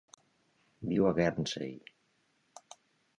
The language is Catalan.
Viu a Guernsey.